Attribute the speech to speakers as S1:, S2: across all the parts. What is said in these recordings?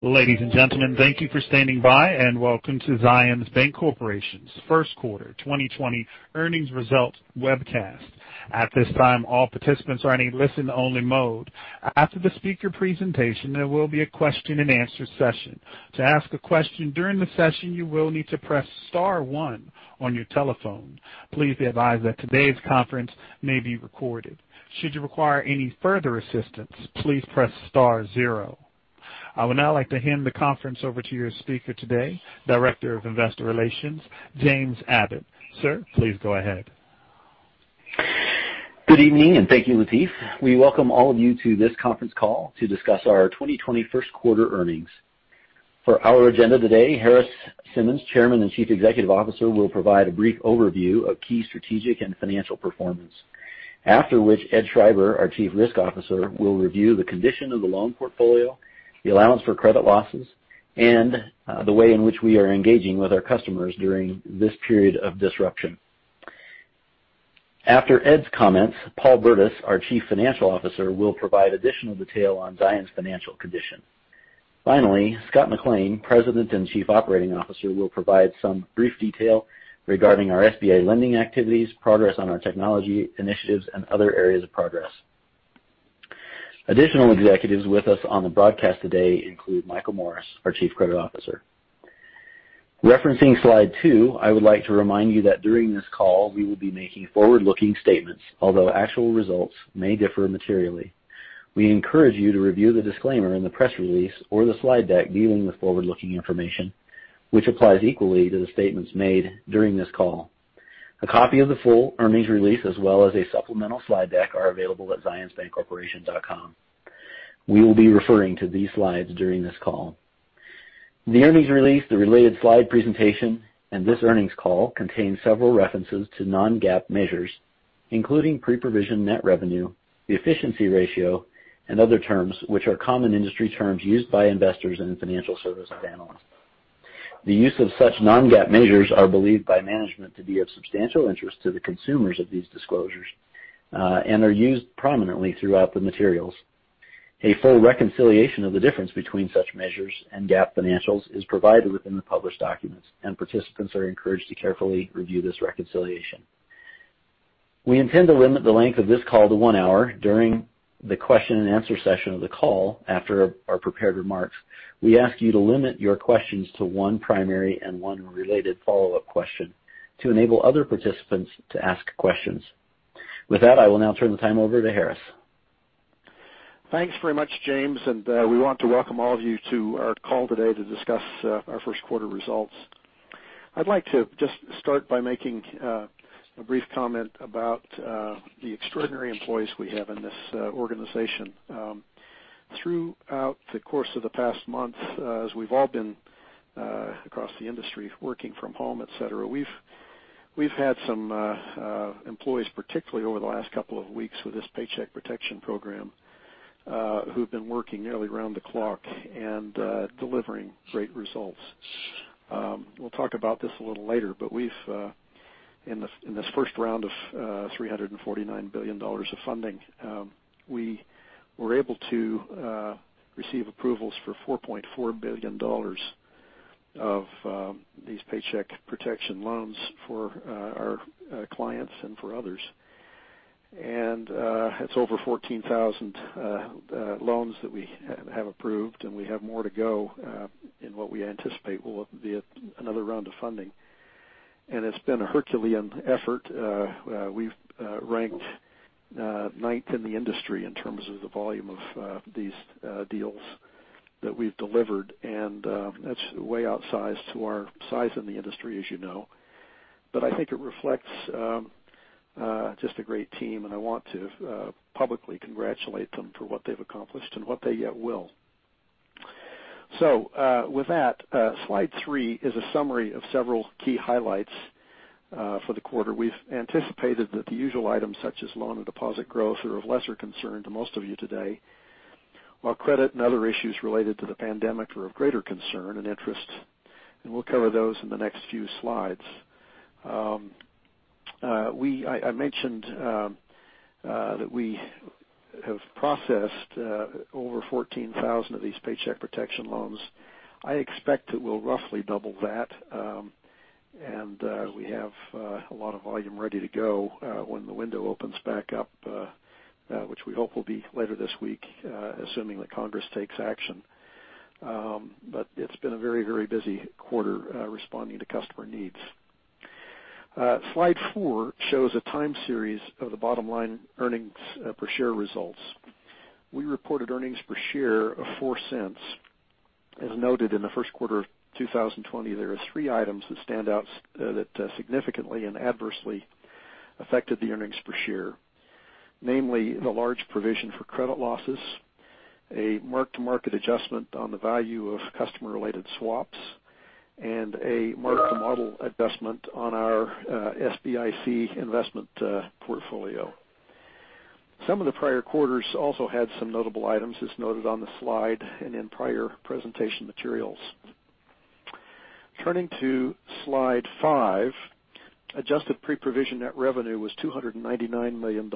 S1: Ladies and gentlemen, thank you for standing by, and welcome to Zions Bancorporation's first quarter 2020 earnings results webcast. At this time, all participants are in a listen only mode. After the speaker presentation, there will be a question and answer session. To ask a question during the session, you will need to press star one on your telephone. Please be advised that today's conference may be recorded. Should you require any further assistance, please press star zero. I would now like to hand the conference over to your speaker today, Director of Investor Relations, James Abbott. Sir, please go ahead.
S2: Good evening, and thank you, Lateef. We welcome all of you to this conference call to discuss our 2020 first quarter earnings. For our agenda today, Harris Simmons, Chairman and Chief Executive Officer, will provide a brief overview of key strategic and financial performance. After which, Ed Schreiber, our Chief Risk Officer, will review the condition of the loan portfolio, the allowance for credit losses, and the way in which we are engaging with our customers during this period of disruption. After Ed's comments, Paul Burdiss, our Chief Financial Officer, will provide additional detail on Zions' financial condition. Finally, Scott McLean, President and Chief Operating Officer, will provide some brief detail regarding our SBA lending activities, progress on our technology initiatives, and other areas of progress. Additional executives with us on the broadcast today include Michael Morris, our Chief Credit Officer. Referencing slide two, I would like to remind you that during this call, we will be making forward-looking statements, although actual results may differ materially. We encourage you to review the disclaimer in the press release or the slide deck dealing with forward-looking information, which applies equally to the statements made during this call. A copy of the full earnings release, as well as a supplemental slide deck, are available at zionsbancorporation.com. We will be referring to these slides during this call. The earnings release, the related slide presentation, and this earnings call contain several references to non-GAAP measures, including pre-provision net revenue, the efficiency ratio, and other terms which are common industry terms used by investors and financial service analysts. The use of such non-GAAP measures are believed by management to be of substantial interest to the consumers of these disclosures, are used prominently throughout the materials. A full reconciliation of the difference between such measures and GAAP financials is provided within the published documents, and participants are encouraged to carefully review this reconciliation. We intend to limit the length of this call to one hour. During the question and answer session of the call, after our prepared remarks, we ask you to limit your questions to one primary and one related follow-up question to enable other participants to ask questions. With that, I will now turn the time over to Harris.
S3: Thanks very much, James. We want to welcome all of you to our call today to discuss our first quarter results. I'd like to just start by making a brief comment about the extraordinary employees we have in this organization. Throughout the course of the past month, as we've all been across the industry, working from home, et cetera, we've had some employees, particularly over the last couple of weeks with this Paycheck Protection Program, who've been working nearly around the clock and delivering great results. We'll talk about this a little later. In this first round of $349 billion of funding, we were able to receive approvals for $4.4 billion of these Paycheck Protection loans for our clients and for others. It's over 14,000 loans that we have approved, and we have more to go in what we anticipate will be another round of funding. It's been a Herculean effort. We've ranked ninth in the industry in terms of the volume of these deals that we've delivered, and that's way outsized to our size in the industry, as you know. I think it reflects just a great team, and I want to publicly congratulate them for what they've accomplished and what they yet will. With that, slide three is a summary of several key highlights for the quarter. We've anticipated that the usual items such as loan and deposit growth are of lesser concern to most of you today, while credit and other issues related to the pandemic are of greater concern and interest, and we'll cover those in the next few slides. I mentioned that we have processed over 14,000 of these Paycheck Protection loans. I expect that we'll roughly double that. We have a lot of volume ready to go when the window opens back up, which we hope will be later this week, assuming that Congress takes action. It's been a very busy quarter responding to customer needs. Slide four shows a time series of the bottom line earnings per share results. We reported earnings per share of $0.04. As noted in the first quarter of 2020, there are three items that stand out that significantly and adversely affected the earnings per share, namely the large provision for credit losses, a mark-to-market adjustment on the value of customer-related swaps, and a mark-to-model adjustment on our SBIC investment portfolio. Some of the prior quarters also had some notable items, as noted on the slide and in prior presentation materials. Turning to slide five, adjusted pre-provision net revenue was $299 million.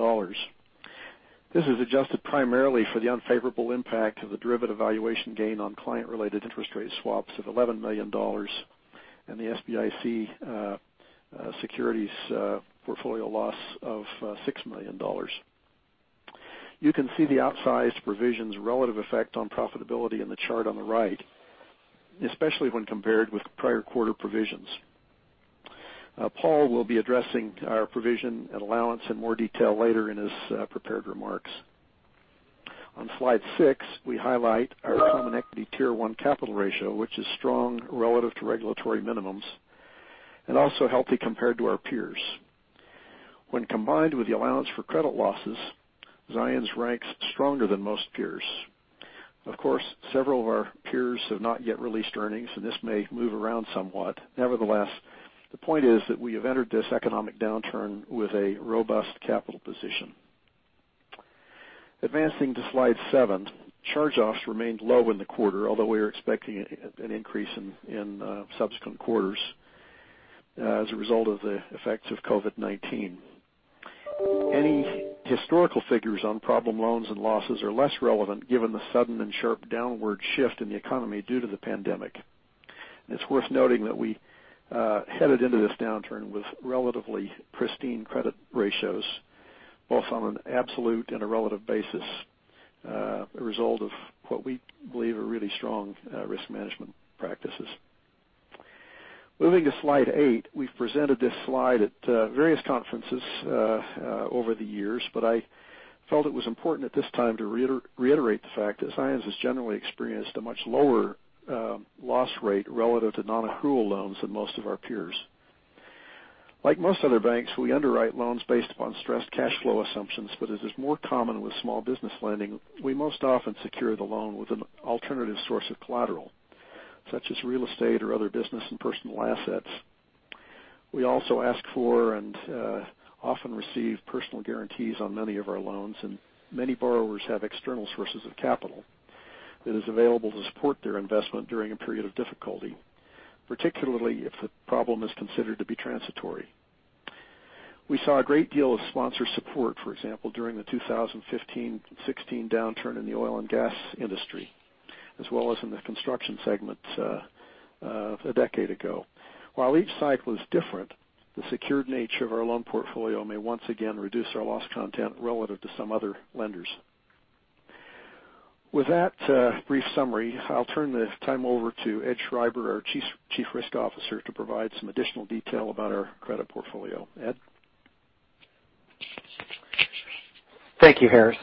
S3: This is adjusted primarily for the unfavorable impact of the derivative valuation gain on client-related interest rate swaps of $11 million and the SBIC securities portfolio loss of $6 million. You can see the outsized provisions' relative effect on profitability in the chart on the right, especially when compared with prior quarter provisions. Paul will be addressing our provision and allowance in more detail later in his prepared remarks. On slide six, we highlight our Common Equity Tier 1 capital ratio, which is strong relative to regulatory minimums and also healthy compared to our peers. When combined with the allowance for credit losses, Zions ranks stronger than most peers. Of course, several of our peers have not yet released earnings, and this may move around somewhat. Nevertheless, the point is that we have entered this economic downturn with a robust capital position. Advancing to slide seven, charge-offs remained low in the quarter, although we are expecting an increase in subsequent quarters as a result of the effects of COVID-19. Any historical figures on problem loans and losses are less relevant given the sudden and sharp downward shift in the economy due to the pandemic. It's worth noting that we headed into this downturn with relatively pristine credit ratios, both on an absolute and a relative basis, a result of what we believe are really strong risk management practices. Moving to slide eight. We've presented this slide at various conferences over the years, but I felt it was important at this time to reiterate the fact that Zions has generally experienced a much lower loss rate relative to non-accrual loans than most of our peers. Like most other banks, we underwrite loans based upon stressed cash flow assumptions, but as is more common with small business lending, we most often secure the loan with an alternative source of collateral, such as real estate or other business and personal assets. We also ask for and often receive personal guarantees on many of our loans, and many borrowers have external sources of capital that is available to support their investment during a period of difficulty, particularly if the problem is considered to be transitory. We saw a great deal of sponsor support, for example, during the 2015-2016 downturn in the oil and gas industry, as well as in the construction segment a decade ago. While each cycle is different, the secured nature of our loan portfolio may once again reduce our loss content relative to some other lenders. With that brief summary, I'll turn the time over to Ed Schreiber, our Chief Risk Officer, to provide some additional detail about our credit portfolio. Ed?
S4: Thank you, Harris.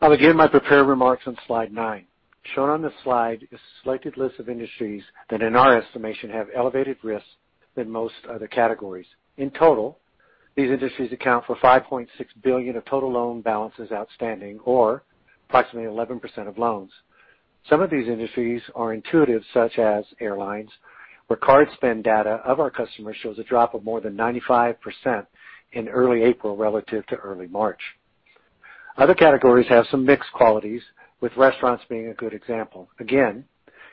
S4: I'll begin my prepared remarks on slide nine. Shown on the slide is a selected list of industries that, in our estimation, have elevated risks than most other categories. In total, these industries account for $5.6 billion of total loan balances outstanding, or approximately 11% of loans. Some of these industries are intuitive, such as airlines, where card spend data of our customers shows a drop of more than 95% in early April relative to early March. Other categories have some mixed qualities, with restaurants being a good example. Again,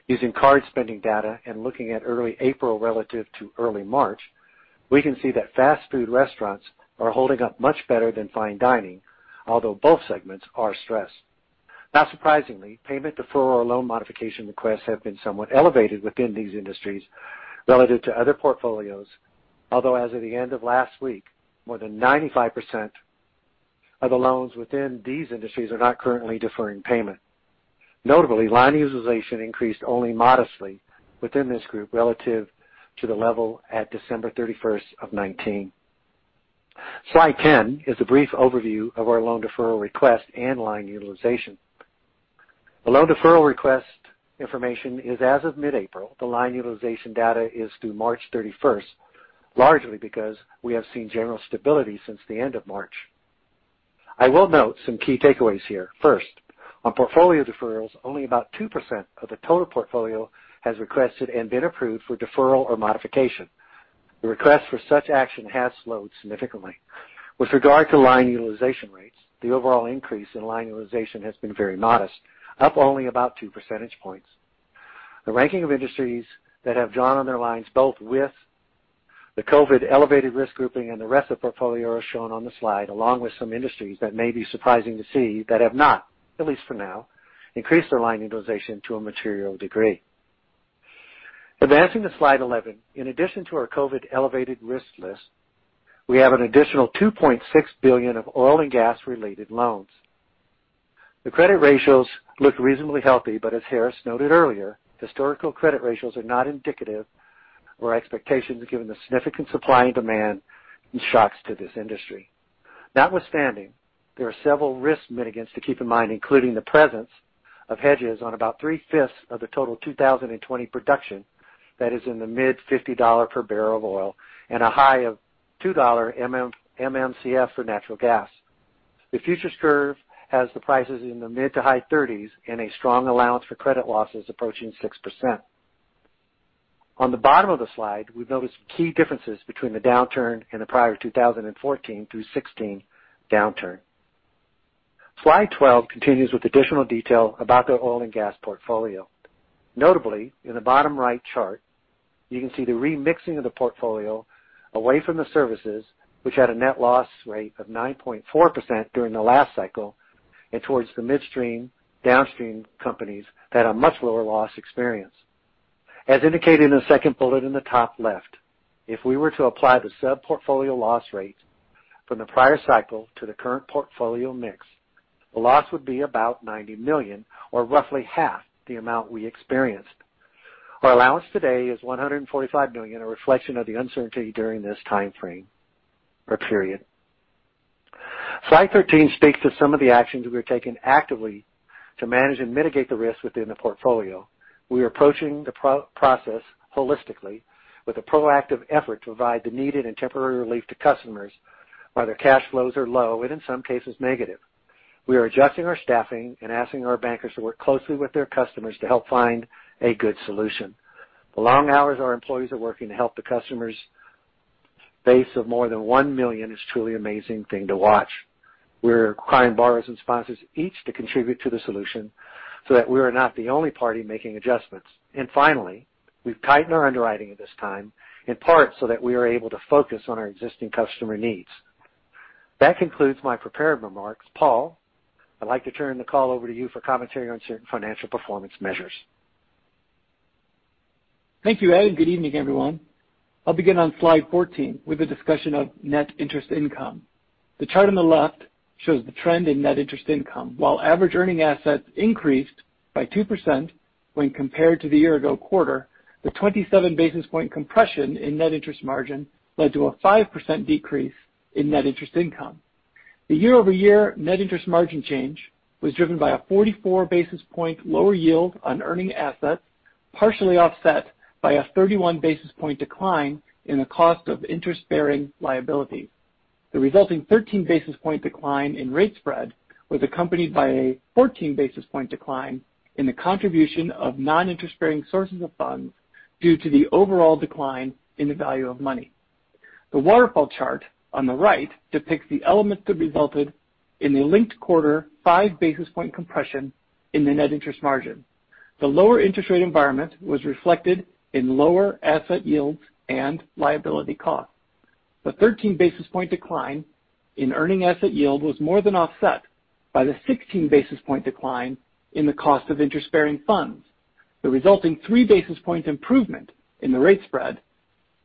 S4: using card spending data and looking at early April relative to early March, we can see that fast food restaurants are holding up much better than fine dining, although both segments are stressed. Not surprisingly, payment deferral or loan modification requests have been somewhat elevated within these industries relative to other portfolios, although as of the end of last week, more than 95% of the loans within these industries are not currently deferring payment. Notably, line utilization increased only modestly within this group relative to the level at December 31st of 2019. Slide 10 is a brief overview of our loan deferral request and line utilization. The loan deferral request information is as of mid-April. The line utilization data is through March 31st, largely because we have seen general stability since the end of March. I will note some key takeaways here. First, on portfolio deferrals, only about 2% of the total portfolio has requested and been approved for deferral or modification. The request for such action has slowed significantly. With regard to line utilization rates, the overall increase in line utilization has been very modest, up only about two percentage points. The ranking of industries that have drawn on their lines, both with the COVID elevated risk grouping and the rest of the portfolio, are shown on the slide, along with some industries that may be surprising to see that have not, at least for now, increased their line utilization to a material degree. Advancing to slide 11. In addition to our COVID elevated risk list, we have an additional $2.6 billion of oil and gas-related loans. The credit ratios look reasonably healthy, as Harris noted earlier, historical credit ratios are not indicative of our expectations given the significant supply and demand and shocks to this industry. Notwithstanding, there are several risk mitigants to keep in mind, including the presence of hedges on about three-fifths of the total 2020 production that is in the mid-$50 per barrel of oil and a high of $2 MMcf for natural gas. The futures curve has the prices in the mid to high 30s and a strong allowance for credit losses approaching 6%. On the bottom of the slide, we've noticed key differences between the downturn and the prior 2014 through 2016 downturn. Slide 12 continues with additional detail about the oil and gas portfolio. Notably, in the bottom right chart, you can see the remixing of the portfolio away from the services which had a net loss rate of 9.4% during the last cycle, and towards the midstream, downstream companies that had a much lower loss experience. As indicated in the second bullet in the top left, if we were to apply the sub-portfolio loss rate from the prior cycle to the current portfolio mix, the loss would be about $90 million or roughly half the amount we experienced. Our allowance today is $145 million, a reflection of the uncertainty during this time frame or period. Slide 13 speaks to some of the actions we're taking actively to manage and mitigate the risks within the portfolio. We are approaching the process holistically with a proactive effort to provide the needed and temporary relief to customers while their cash flows are low, and in some cases, negative. We are adjusting our staffing and asking our bankers to work closely with their customers to help find a good solution. The long hours our employees are working to help the customers, base of more than 1 million, is truly amazing thing to watch. We're requiring borrowers and sponsors each to contribute to the solution so that we are not the only party making adjustments. Finally, we've tightened our underwriting at this time, in part so that we are able to focus on our existing customer needs. That concludes my prepared remarks. Paul, I'd like to turn the call over to you for commentary on certain financial performance measures.
S5: Thank you, Ed. Good evening, everyone. I'll begin on slide 14 with a discussion of net interest income. The chart on the left shows the trend in net interest income. While average earning assets increased by 2% when compared to the year-over-year quarter, the 27 basis point compression in net interest margin led to a 5% decrease in net interest income. The year-over-year net interest margin change was driven by a 44 basis point lower yield on earning assets, partially offset by a 31 basis point decline in the cost of interest-bearing liability. The resulting 13 basis point decline in rate spread was accompanied by a 14 basis point decline in the contribution of non-interest-bearing sources of funds due to the overall decline in the value of money. The waterfall chart on the right depicts the elements that resulted in the linked quarter five basis point compression in the net interest margin. The lower interest rate environment was reflected in lower asset yields and liability costs. The 13 basis point decline in earning asset yield was more than offset by the 16 basis point decline in the cost of interest-bearing funds. The resulting three basis point improvement in the rate spread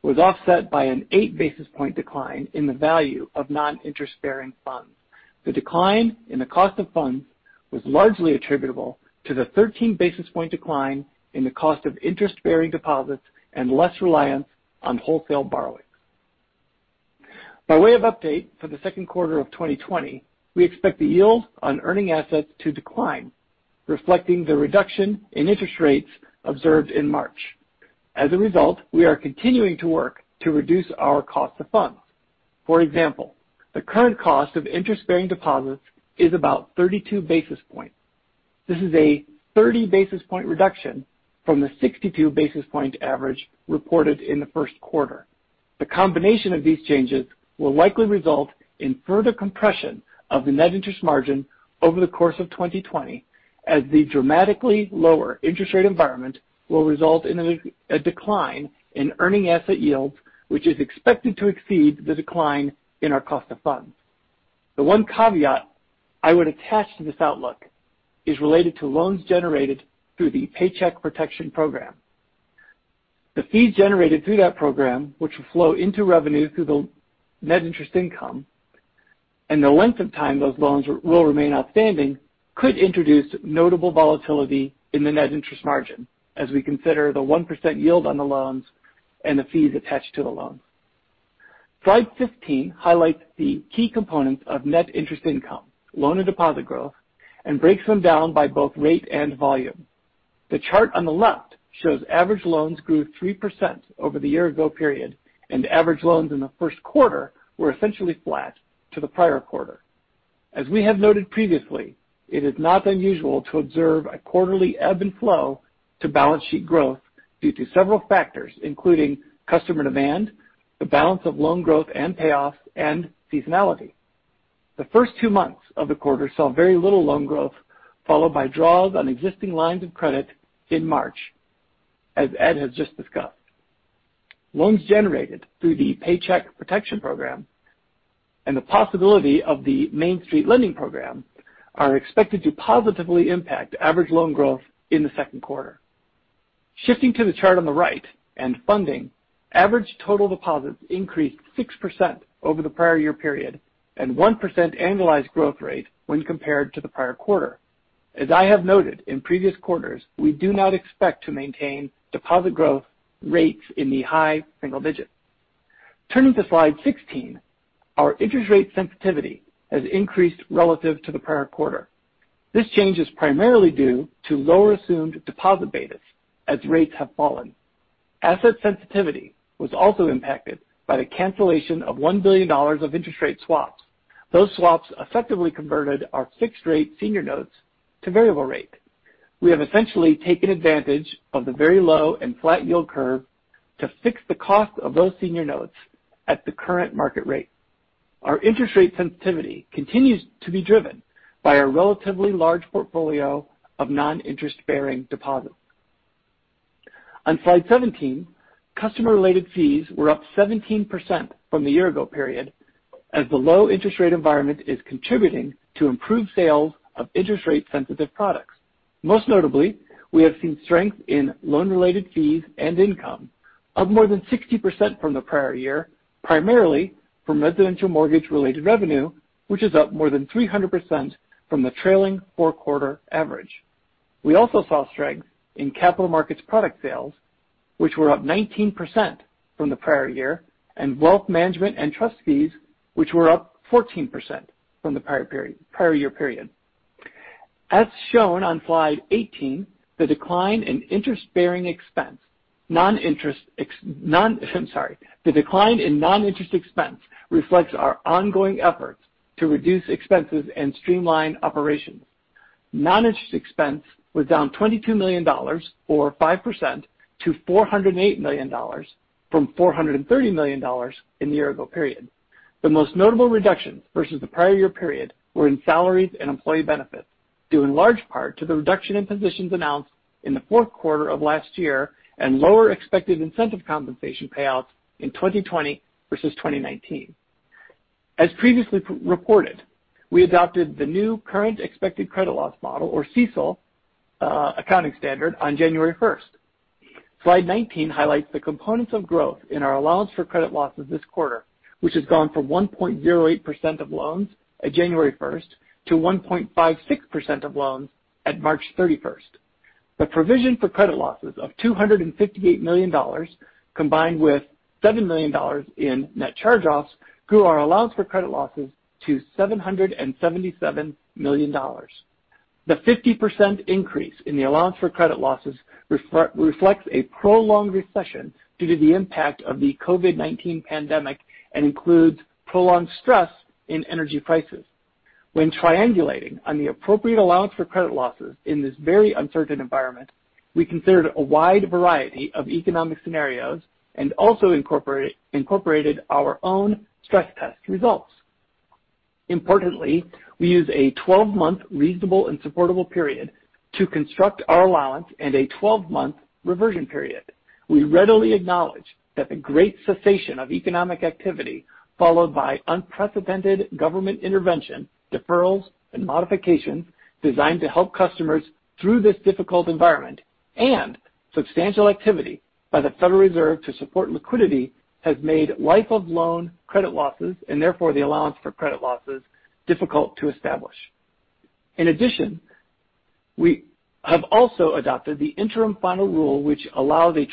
S5: was offset by an eight basis point decline in the value of non-interest-bearing funds. The decline in the cost of funds was largely attributable to the 13 basis point decline in the cost of interest-bearing deposits and less reliance on wholesale borrowings. By way of update for the second quarter of 2020, we expect the yield on earning assets to decline, reflecting the reduction in interest rates observed in March. As a result, we are continuing to work to reduce our cost of funds. For example, the current cost of interest-bearing deposits is about 32 basis points. This is a 30 basis point reduction from the 62 basis point average reported in the first quarter. The combination of these changes will likely result in further compression of the net interest margin over the course of 2020 as the dramatically lower interest rate environment will result in a decline in earning asset yields, which is expected to exceed the decline in our cost of funds. The one caveat I would attach to this outlook is related to loans generated through the Paycheck Protection Program. The fees generated through that program, which will flow into revenue through the net interest income, and the length of time those loans will remain outstanding could introduce notable volatility in the net interest margin as we consider the 1% yield on the loans and the fees attached to the loans. Slide 15 highlights the key components of net interest income, loan and deposit growth, and breaks them down by both rate and volume. The chart on the left shows average loans grew 3% over the year ago period, and average loans in the first quarter were essentially flat to the prior quarter. As we have noted previously, it is not unusual to observe a quarterly ebb and flow to balance sheet growth due to several factors, including customer demand, the balance of loan growth and payoffs, and seasonality. The first two months of the quarter saw very little loan growth, followed by draws on existing lines of credit in March, as Ed has just discussed. Loans generated through the Paycheck Protection Program and the possibility of the Main Street Lending Program are expected to positively impact average loan growth in the second quarter. Shifting to the chart on the right and funding, average total deposits increased 6% over the prior year period and 1% annualized growth rate when compared to the prior quarter. As I have noted in previous quarters, we do not expect to maintain deposit growth rates in the high single digits. Turning to slide 16, our interest rate sensitivity has increased relative to the prior quarter. This change is primarily due to lower assumed deposit betas as rates have fallen. Asset sensitivity was also impacted by the cancellation of $1 billion of interest rate swaps. Those swaps effectively converted our fixed rate senior notes to variable rate. We have essentially taken advantage of the very low and flat yield curve to fix the cost of those senior notes at the current market rate. Our interest rate sensitivity continues to be driven by our relatively large portfolio of non-interest-bearing deposits. On slide 17, customer-related fees were up 17% from the year ago period, as the low interest rate environment is contributing to improved sales of interest rate-sensitive products. Most notably, we have seen strength in loan-related fees and income of more than 60% from the prior year, primarily from residential mortgage-related revenue, which is up more than 300% from the trailing four-quarter average. We also saw strength in capital markets product sales, which were up 19% from the prior year, and wealth management and trust fees, which were up 14% from the prior year period. As shown on slide 18, the decline in non-interest expense reflects our ongoing efforts to reduce expenses and streamline operations. Non-interest expense was down $22 million, or 5%, to $408 million from $430 million in the year ago period. The most notable reductions versus the prior year period were in salaries and employee benefits, due in large part to the reduction in positions announced in the fourth quarter of last year and lower expected incentive compensation payouts in 2020 versus 2019. As previously reported, we adopted the new Current Expected Credit Loss model, or CECL, accounting standard on January 1st. Slide 19 highlights the components of growth in our allowance for credit losses this quarter, which has gone from 1.08% of loans at January 1st to 1.56% of loans at March 31st. The provision for credit losses of $258 million, combined with $7 million in net charge-offs, grew our allowance for credit losses to $777 million. The 50% increase in the allowance for credit losses reflects a prolonged recession due to the impact of the COVID-19 pandemic and includes prolonged stress in energy prices. When triangulating on the appropriate allowance for credit losses in this very uncertain environment, we considered a wide variety of economic scenarios and also incorporated our own stress test results. Importantly, we use a 12-month reasonable and supportable period to construct our allowance and a 12-month reversion period. We readily acknowledge that the great cessation of economic activity, followed by unprecedented government intervention, deferrals, and modifications designed to help customers through this difficult environment, and substantial activity by the Federal Reserve to support liquidity, has made life-of-loan credit losses, and therefore the allowance for credit losses, difficult to establish. In addition, we have also adopted the interim final rule which allows a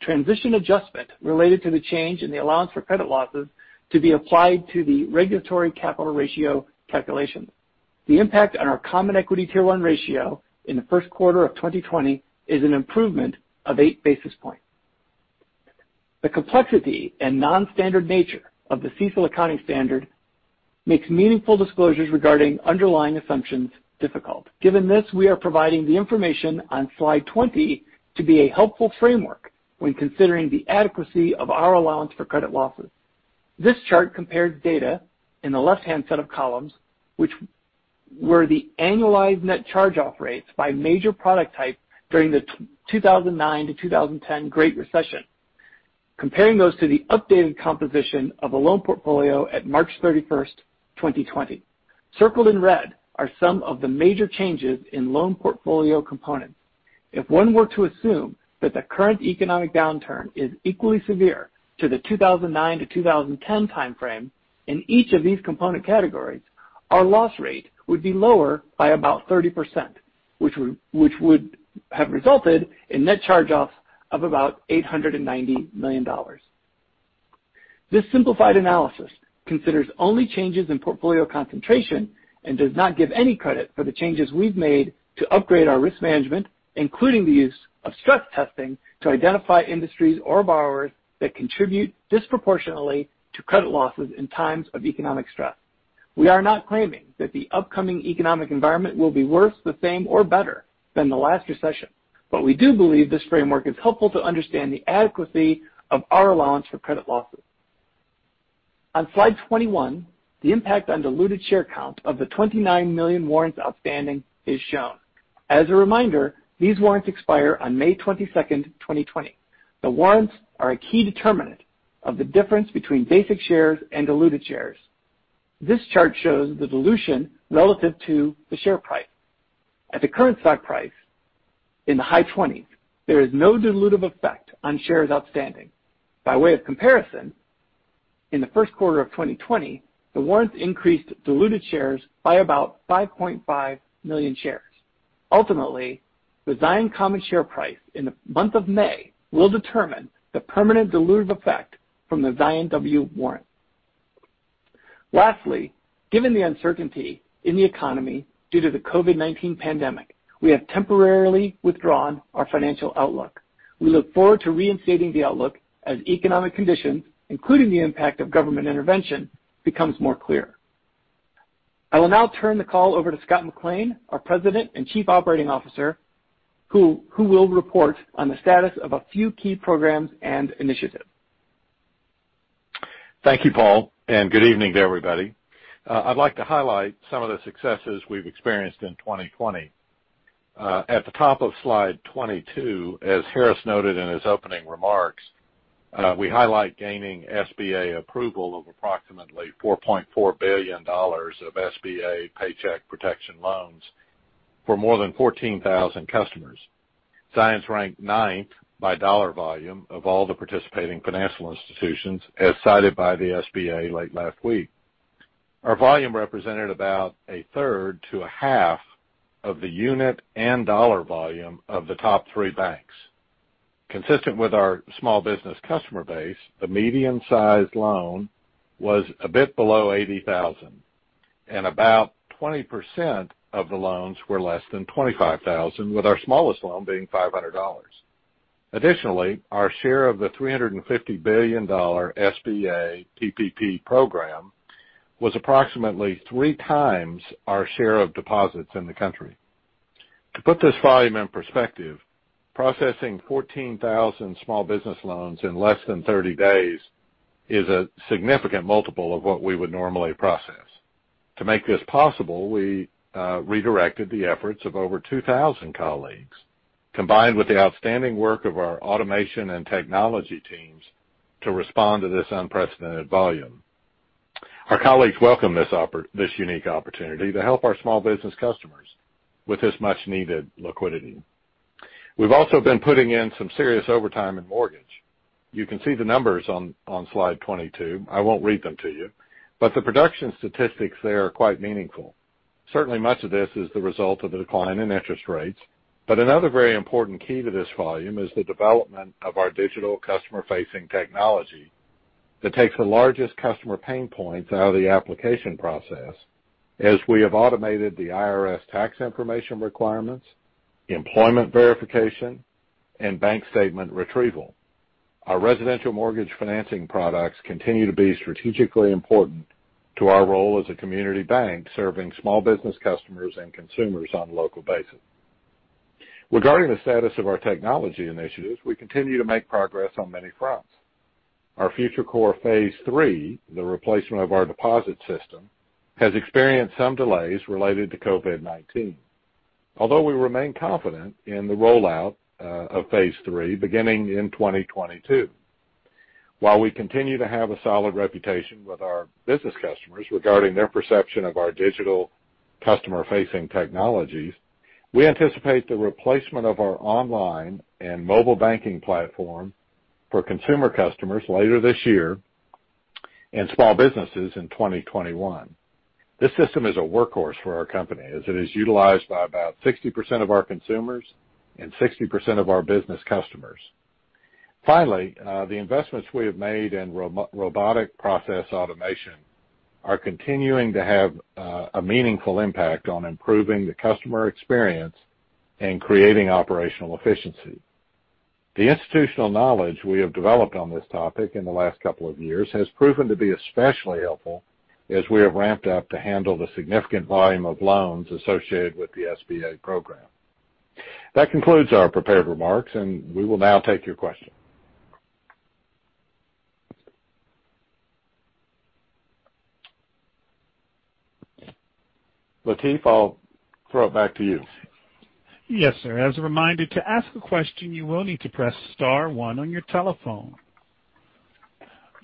S5: transition adjustment related to the change in the allowance for credit losses to be applied to the regulatory capital ratio calculation. The impact on our Common Equity Tier 1 ratio in the first quarter of 2020 is an improvement of eight basis points. The complexity and non-standard nature of the CECL accounting standard makes meaningful disclosures regarding underlying assumptions difficult. Given this, we are providing the information on slide 20 to be a helpful framework when considering the adequacy of our allowance for credit losses. This chart compares data in the left-hand set of columns, which were the annualized net charge-off rates by major product type during the 2009-2010 Great Recession, comparing those to the updated composition of the loan portfolio at March 31st, 2020. Circled in red are some of the major changes in loan portfolio components. If one were to assume that the current economic downturn is equally severe to the 2009-2010 timeframe, in each of these component categories, our loss rate would be lower by about 30%, which would have resulted in net charge-offs of about $890 million. This simplified analysis considers only changes in portfolio concentration and does not give any credit for the changes we've made to upgrade our risk management, including the use of stress testing to identify industries or borrowers that contribute disproportionately to credit losses in times of economic stress. We are not claiming that the upcoming economic environment will be worse, the same, or better than the last recession. We do believe this framework is helpful to understand the adequacy of our allowance for credit losses. On slide 21, the impact on diluted share count of the 29 million warrants outstanding is shown. As a reminder, these warrants expire on May 22nd, 2020. The warrants are a key determinant of the difference between basic shares and diluted shares. This chart shows the dilution relative to the share price. At the current stock price, in the high 20s, there is no dilutive effect on shares outstanding. By way of comparison, in the first quarter of 2020, the warrants increased diluted shares by about 5.5 million shares. Ultimately, the Zions common share price in the month of May will determine the permanent dilutive effect from the Zion Bancorporation warrant. Lastly, given the uncertainty in the economy due to the COVID-19 pandemic, we have temporarily withdrawn our financial outlook. We look forward to reinstating the outlook as economic conditions, including the impact of government intervention, becomes more clear. I will now turn the call over to Scott McLean, our President and Chief Operating Officer, who will report on the status of a few key programs and initiatives.
S6: Thank you, Paul, and good evening to everybody. I'd like to highlight some of the successes we've experienced in 2020. At the top of slide 22, as Harris noted in his opening remarks, we highlight gaining SBA approval of approximately $4.4 billion of SBA Paycheck Protection loans for more than 14,000 customers. Zions ranked ninth by dollar volume of all the participating financial institutions as cited by the SBA late last week. Our volume represented about a third to a half of the unit and dollar volume of the top three banks. Consistent with our small business customer base, the median sized loan was a bit below $80,000, and about 20% of the loans were less than $25,000, with our smallest loan being $500. Additionally, our share of the $350 billion SBA PPP program was approximately three times our share of deposits in the country. To put this volume in perspective, processing 14,000 small business loans in less than 30 days is a significant multiple of what we would normally process. To make this possible, we redirected the efforts of over 2,000 colleagues, combined with the outstanding work of our automation and technology teams to respond to this unprecedented volume. Our colleagues welcome this unique opportunity to help our small business customers with this much needed liquidity. We've also been putting in some serious overtime in mortgage. You can see the numbers on slide 22. I won't read them to you, but the production statistics there are quite meaningful. Certainly, much of this is the result of the decline in interest rates, but another very important key to this volume is the development of our digital customer-facing technology that takes the largest customer pain points out of the application process, as we have automated the IRS tax information requirements, employment verification, and bank statement retrieval. Our residential mortgage financing products continue to be strategically important to our role as a community bank serving small business customers and consumers on a local basis. Regarding the status of our technology initiatives, we continue to make progress on many fronts. Our Future Core Phase 3, the replacement of our deposit system, has experienced some delays related to COVID-19. Although we remain confident in the rollout of Phase three beginning in 2022. While we continue to have a solid reputation with our business customers regarding their perception of our digital customer-facing technologies, we anticipate the replacement of our online and mobile banking platform for consumer customers later this year and small businesses in 2021. This system is a workhorse for our company as it is utilized by about 60% of our consumers and 60% of our business customers. Finally, the investments we have made in robotic process automation are continuing to have a meaningful impact on improving the customer experience and creating operational efficiency. The institutional knowledge we have developed on this topic in the last couple of years has proven to be especially helpful as we have ramped up to handle the significant volume of loans associated with the SBA program. That concludes our prepared remarks, and we will now take your questions. Lateef, I'll throw it back to you.
S1: Yes, sir. As a reminder, to ask a question, you will need to press star one on your telephone.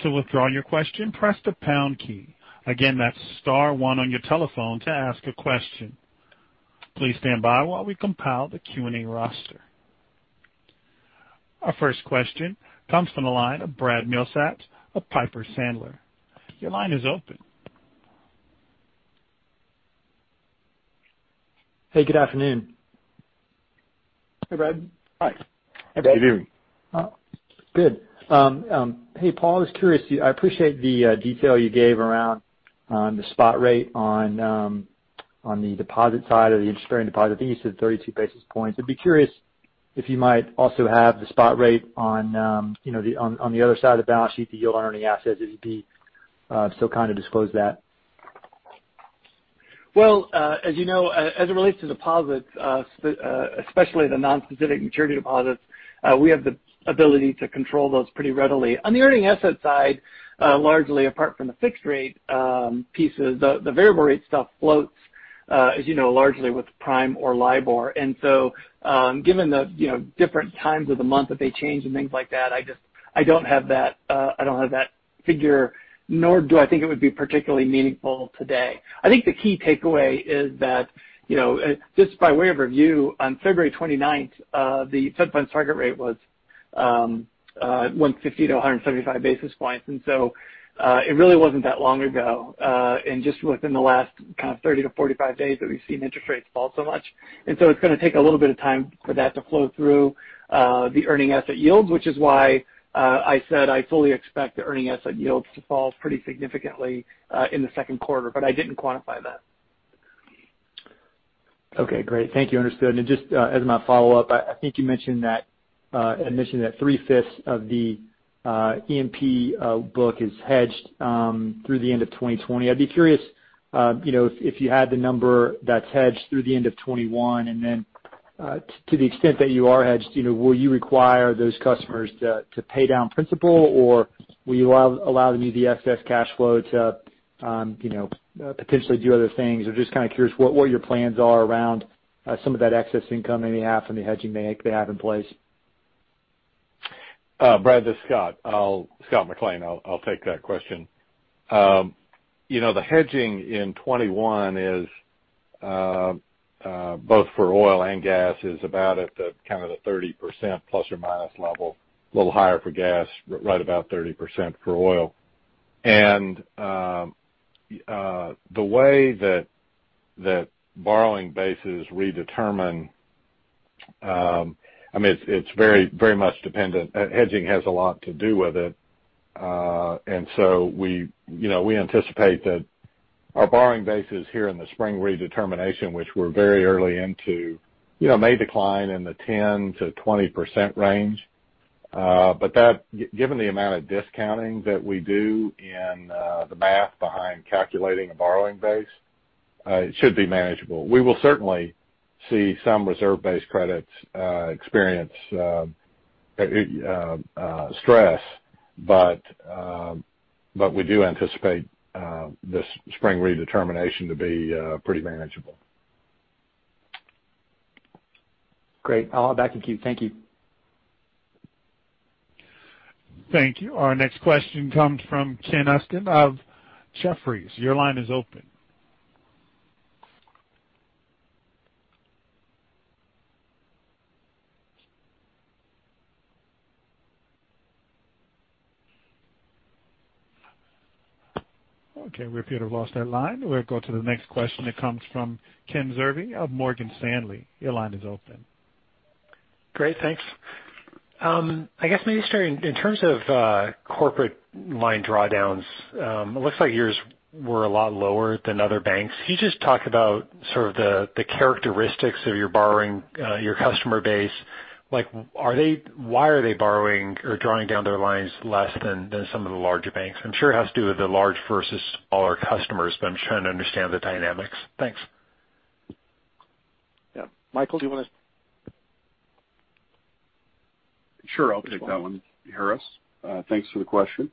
S1: To withdraw your question, press the pound key. Again, that's star one on your telephone to ask a question. Please stand by while we compile the Q&A roster. Our first question comes from the line of Brad Milsaps of Piper Sandler. Your line is open.
S7: Hey, good afternoon.
S5: Hey, Brad.
S6: Hi.
S5: Hey, Brad.
S6: How you doing?
S7: Good. Hey, Paul, I was curious. I appreciate the detail you gave around the spot rate on the deposit side of the interest-bearing deposit. I think you said 32 basis points. I'd be curious if you might also have the spot rate on the other side of the balance sheet, the yield on earning assets, if you'd be so kind to disclose that.
S5: Well, as you know, as it relates to deposits, especially the non-specific maturity deposits, we have the ability to control those pretty readily. On the earning asset side, largely apart from the fixed rate pieces, the variable rate stuff floats, as you know, largely with Prime or LIBOR. Given the different times of the month that they change and things like that, I don't have that figure, nor do I think it would be particularly meaningful today. I think the key takeaway is that, just by way of review, on February 29th, the Fed funds target rate was 150-175 basis points. It really wasn't that long ago, and just within the last kind of 30-45 days, that we've seen interest rates fall so much. It's going to take a little bit of time for that to flow through the earning asset yields, which is why I said I fully expect the earning asset yields to fall pretty significantly in the second quarter, but I didn't quantify that.
S7: Okay, great. Thank you. Understood. Just as my follow-up, I think you mentioned that three-fifths of the E&P book is hedged through the end of 2020. I'd be curious if you had the number that's hedged through the end of 2021. To the extent that you are hedged, will you require those customers to pay down principal, or will you allow them to use the excess cash flow to potentially do other things? I'm just kind of curious what your plans are around some of that excess income that you have from the hedging they have in place.
S6: Brad, this is Scott McLean. I'll take that question. The hedging in 2021 is both for oil and gas, is about at the 30% plus or minus level. A little higher for gas, right about 30% for oil. The way that borrowing bases redetermine, it's very much dependent. Hedging has a lot to do with it. We anticipate that our borrowing bases here in the spring redetermination, which we're very early into, may decline in the 10%-20% range. Given the amount of discounting that we do in the math behind calculating a borrowing base, it should be manageable. We will certainly see some reserve-based credits experience stress, but we do anticipate this spring redetermination to be pretty manageable.
S7: Great. I'll hand it back to you. Thank you.
S1: Thank you. Our next question comes from Ken Usdin of Jefferies. Your line is open. Okay, we appear to have lost that line. We'll go to the next question that comes from Kenneth Zerbe of Morgan Stanley. Your line is open.
S8: Great, thanks. I guess maybe starting in terms of corporate line drawdowns. It looks like yours were a lot lower than other banks. Can you just talk about sort of the characteristics of your borrowing, your customer base? Why are they borrowing or drawing down their lines less than some of the larger banks? I'm sure it has to do with the large versus smaller customers, but I'm trying to understand the dynamics. Thanks.
S3: Yeah. Michael, do you want to-
S9: Sure, I'll take that one, Harris. Thanks for the question.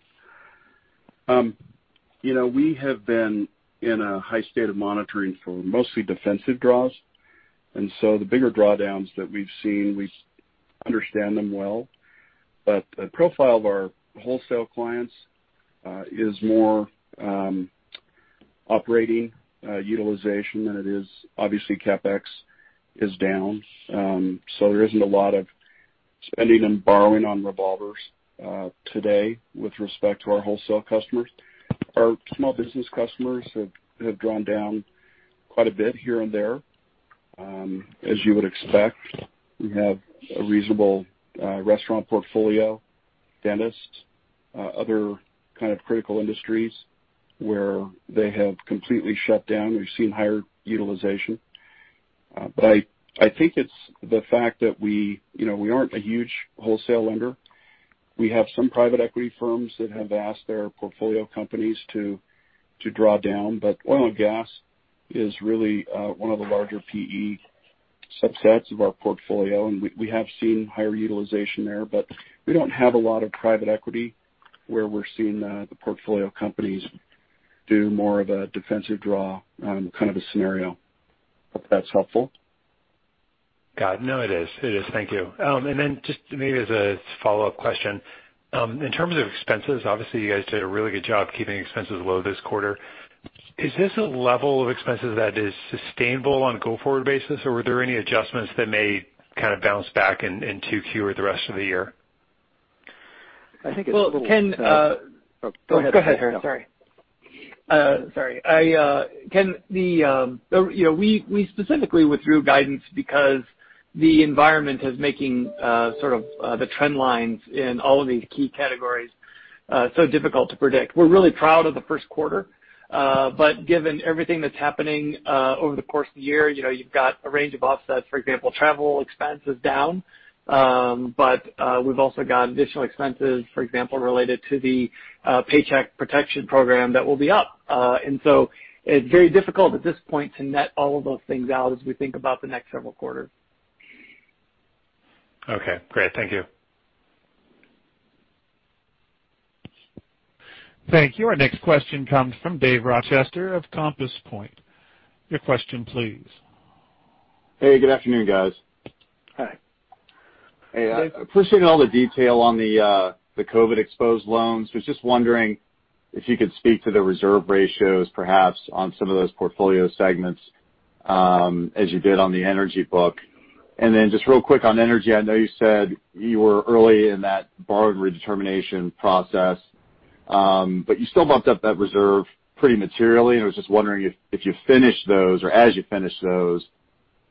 S9: The bigger drawdowns that we've seen, we understand them well. The profile of our wholesale clients is more operating utilization than it is obviously, CapEx is down, so there isn't a lot of spending and borrowing on revolvers today with respect to our wholesale customers. Our small business customers have drawn down quite a bit here and there. As you would expect, we have a reasonable restaurant portfolio, dentists, other kind of critical industries where they have completely shut down. We've seen higher utilization. I think it's the fact that we aren't a huge wholesale lender. We have some private equity firms that have asked their portfolio companies to draw down. Oil and gas is really one of the larger PE subsets of our portfolio, and we have seen higher utilization there. We don't have a lot of private equity where we're seeing the portfolio companies do more of a defensive draw kind of a scenario. Hope that's helpful.
S8: Got it. No, it is. Thank you. Just maybe as a follow-up question. In terms of expenses, obviously, you guys did a really good job keeping expenses low this quarter. Is this a level of expenses that is sustainable on a go-forward basis, or were there any adjustments that may kind of bounce back in 2Q or the rest of the year?
S9: I think it's a little.
S6: Well, Ken.
S9: Oh, go ahead.
S6: Go ahead, Harris. Sorry. Ken, we specifically withdrew guidance because the environment is making sort of the trend lines in all of these key categories so difficult to predict. We're really proud of the first quarter. Given everything that's happening over the course of the year, you've got a range of offsets. For example, travel expense is down. We've also got additional expenses, for example, related to the Paycheck Protection Program that will be up. It's very difficult at this point to net all of those things out as we think about the next several quarters.
S8: Okay, great. Thank you.
S1: Thank you. Our next question comes from David Rochester of Compass Point. Your question, please.
S10: Hey, good afternoon, guys.
S9: Hi.
S10: Hey, I appreciate all the detail on the COVID exposed loans. Was just wondering if you could speak to the reserve ratios, perhaps on some of those portfolio segments as you did on the energy book. Just real quick on energy, I know you said you were early in that borrowing redetermination process, but you still bumped up that reserve pretty materially, and I was just wondering if you finish those or as you finish those,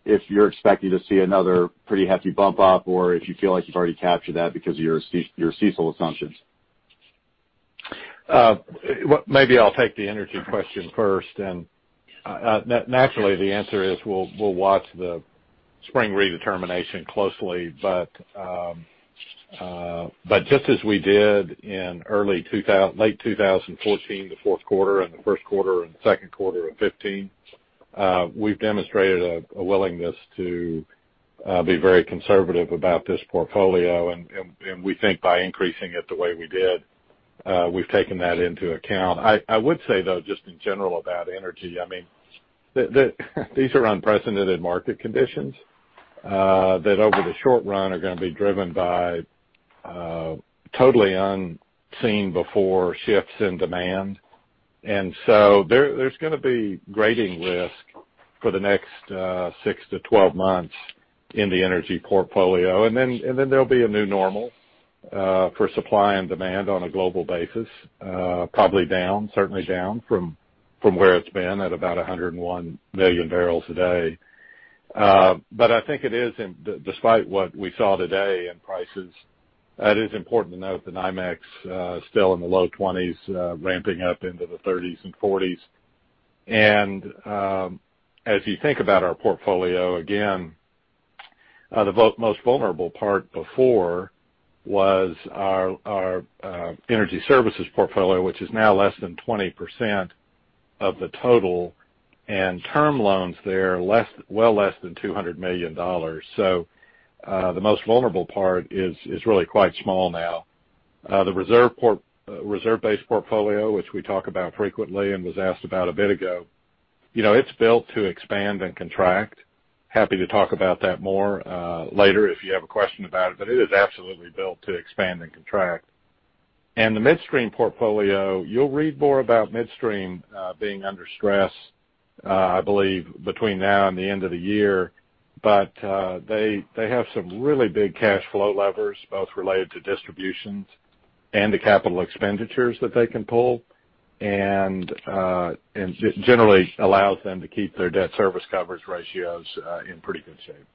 S10: if you're expecting to see another pretty hefty bump up, or if you feel like you've already captured that because of your CECL assumptions.
S6: Maybe I'll take the energy question first. Naturally, the answer is we'll watch the spring redetermination closely. Just as we did in late 2014, the fourth quarter, and the first quarter, and the second quarter of 2015, we've demonstrated a willingness to be very conservative about this portfolio. We think by increasing it the way we did, we've taken that into account. I would say, though, just in general about energy, these are unprecedented market conditions that over the short run are going to be driven by totally unseen before shifts in demand. There's going to be grading risk for the next 6 to 12 months in the energy portfolio. There'll be a new normal for supply and demand on a global basis probably down, certainly down from where it's been at about 101 million barrels a day. I think it is, despite what we saw today in prices, it is important to note that NYMEX still in the low 20s, ramping up into the 30s and 40s. As you think about our portfolio, again, the most vulnerable part before was our energy services portfolio, which is now less than 20% of the total, and term loans there are well less than $200 million. The most vulnerable part is really quite small now. The reserve-based portfolio, which we talk about frequently and was asked about a bit ago, it's built to expand and contract. Happy to talk about that more later if you have a question about it is absolutely built to expand and contract. The midstream portfolio, you'll read more about midstream being under stress I believe between now and the end of the year. They have some really big cash flow levers, both related to distributions and the capital expenditures that they can pull, and generally allows them to keep their debt service coverage ratios in pretty good shape.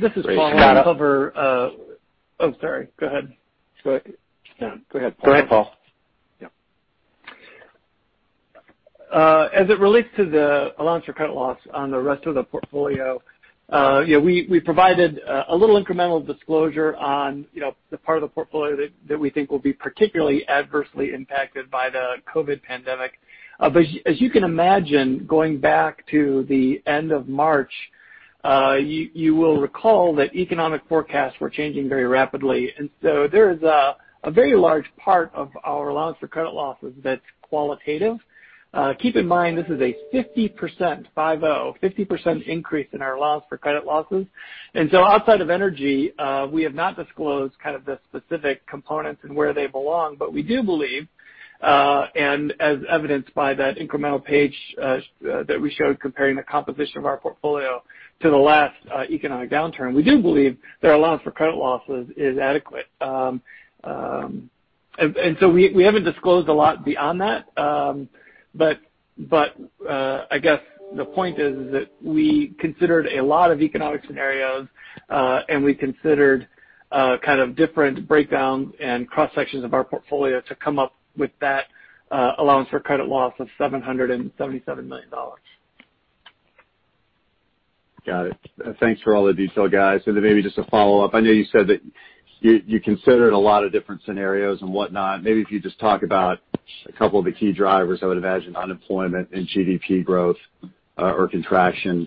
S5: This is Paul. Oh, sorry. Go ahead.
S10: Go ahead, Paul.
S5: Yep. As it relates to the allowance for credit losses on the rest of the portfolio, we provided a little incremental disclosure on the part of the portfolio that we think will be particularly adversely impacted by the COVID-19 pandemic. As you can imagine, going back to the end of March, you will recall that economic forecasts were changing very rapidly. There is a very large part of our allowance for credit losses that's qualitative. Keep in mind, this is a 50%, 50% increase in our allowance for credit losses. Outside of energy, we have not disclosed kind of the specific components and where they belong, but we do believe, and as evidenced by that incremental page that we showed comparing the composition of our portfolio to the last economic downturn, we do believe that our allowance for credit losses is adequate. We haven't disclosed a lot beyond that. I guess the point is that we considered a lot of economic scenarios, and we considered kind of different breakdowns and cross-sections of our portfolio to come up with that allowance for credit losses of $777 million.
S10: Got it. Thanks for all the detail, guys. Then maybe just a follow-up. I know you said that you considered a lot of different scenarios and whatnot. Maybe if you just talk about a couple of the key drivers, I would imagine unemployment and GDP growth or contraction.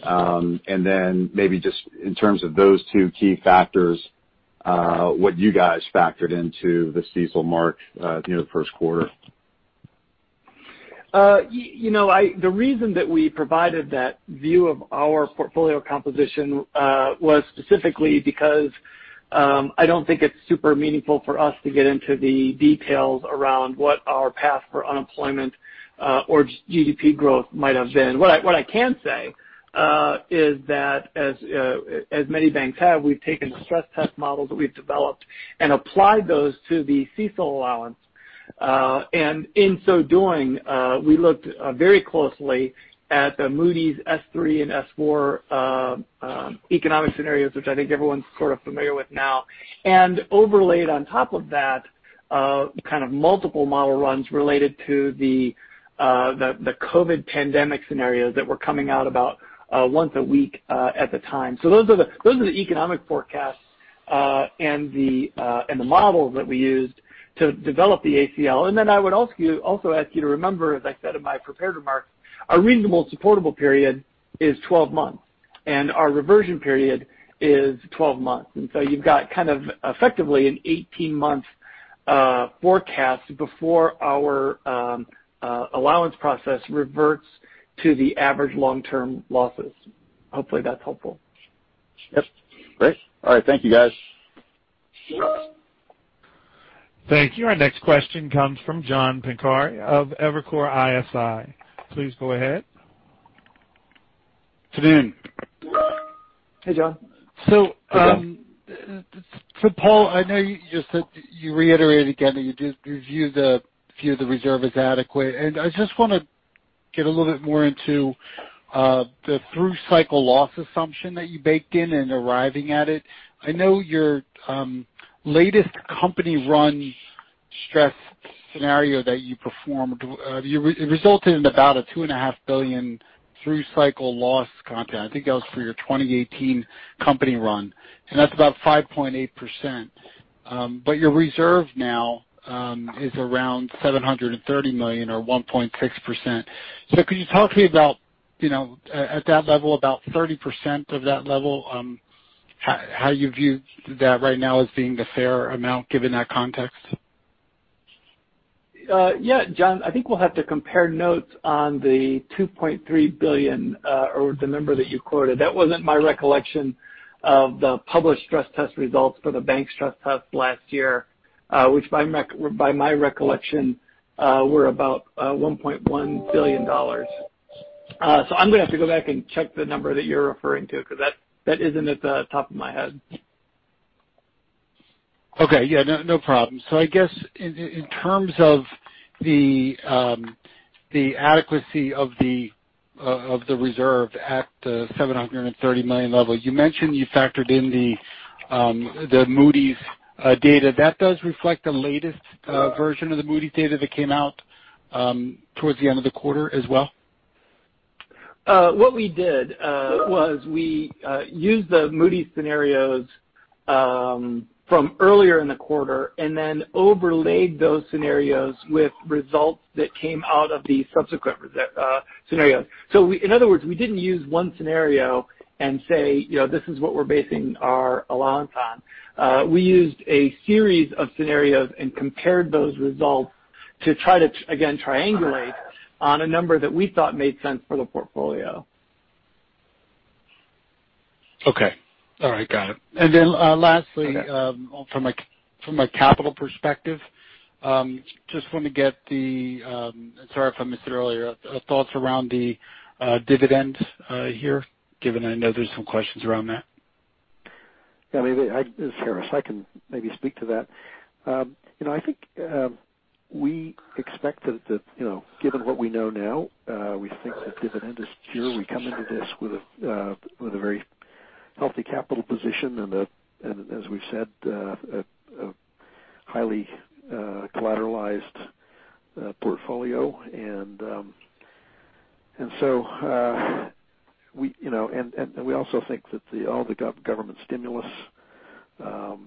S10: Then maybe just in terms of those two key factors, what you guys factored into the CECL mark near the first quarter?
S5: The reason that we provided that view of our portfolio composition was specifically because I don't think it's super meaningful for us to get into the details around what our path for unemployment or GDP growth might have been. What I can say is that as many banks have, we've taken the stress test models that we've developed and applied those to the CECL allowance. In so doing, we looked very closely at the Moody's S3 and S4 economic scenarios, which I think everyone's sort of familiar with now, and overlaid on top of that kind of multiple model runs related to the COVID pandemic scenarios that were coming out about once a week at the time. Those are the economic forecasts and the models that we used to develop the ACL. I would also ask you to remember, as I said in my prepared remarks, our reasonable supportable period is 12 months, and our reversion period is 12 months. You've got kind of effectively an 18-month forecast before our allowance process reverts to the average long-term losses. Hopefully, that's helpful.
S10: Yep. Great. All right. Thank you, guys.
S1: Thank you. Our next question comes from John Pancari of Evercore ISI. Please go ahead.
S11: Good afternoon.
S5: Hey, John.
S11: For Paul, I know you just said you reiterated again that you view the reserve as adequate. I just want to get a little bit more into the through cycle loss assumption that you baked in and arriving at it. I know your latest company run stress scenario that you performed, it resulted in about a $2.5 billion through cycle loss compound. I think that was for your 2018 company run, and that's about 5.8%. Your reserve now is around $730 million or 1.6%. Could you talk to me about, at that level, about 30% of that level, how you view that right now as being the fair amount given that context?
S5: Yeah, John, I think we'll have to compare notes on the $2.3 billion, or the number that you quoted. That wasn't my recollection of the published stress test results for the bank stress test last year, which by my recollection, were about $1.1 billion. I'm going to have to go back and check the number that you're referring to, because that isn't at the top of my head.
S11: Okay. Yeah, no problem. I guess in terms of the adequacy of the reserve at the $730 million level, you mentioned you factored in the Moody's data. That does reflect the latest version of the Moody's data that came out towards the end of the quarter as well?
S5: What we did was we used the Moody's scenarios from earlier in the quarter, overlaid those scenarios with results that came out of the subsequent scenarios. In other words, we didn't use one scenario and say, "This is what we're basing our allowance on." We used a series of scenarios and compared those results to try to, again, triangulate on a number that we thought made sense for the portfolio.
S11: Okay. All right. Got it. Lastly.
S5: Okay
S11: from a capital perspective, just want to get the, sorry if I missed it earlier, thoughts around the dividend here, given I know there's some questions around that?
S3: Yeah, this is Harris. I can maybe speak to that. I think we expect that, given what we know now, we think the dividend is secure. We come into this with a very healthy capital position and as we've said, a highly collateralized portfolio. We also think that all the government stimulus, the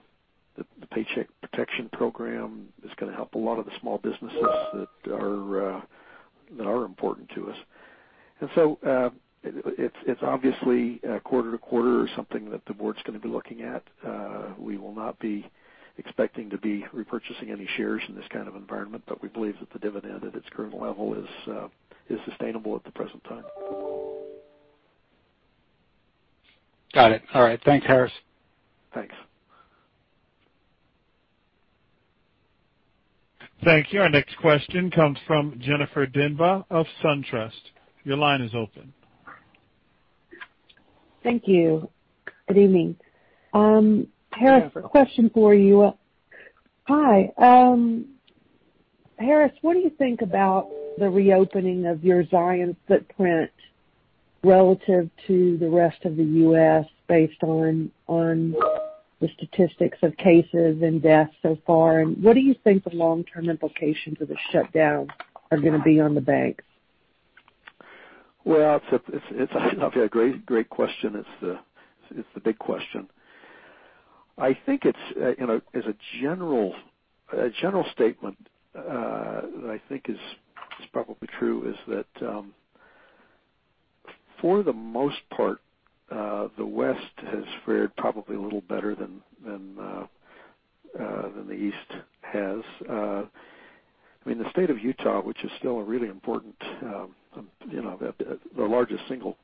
S3: Paycheck Protection Program is going to help a lot of the small businesses that are important to us. It's obviously quarter to quarter is something that the board's going to be looking at. We will not be expecting to be repurchasing any shares in this kind of environment, but we believe that the dividend at its current level is sustainable at the present time.
S11: Got it. All right. Thanks, Harris.
S3: Thanks.
S1: Thank you. Our next question comes from Jennifer Demba of SunTrust. Your line is open.
S12: Thank you. Good evening.
S3: Jennifer.
S12: Harris, a question for you. Hi. Harris, what do you think about the reopening of your Zions footprint relative to the rest of the U.S. based on the statistics of cases and deaths so far, and what do you think the long-term implications of the shutdown are going to be on the banks?
S3: Well, it's a great question. It's the big question. I think as a general statement that I think is probably true, is that for the most part, the West has fared probably a little better than the East has. The state of Utah, which is still a really important, the largest single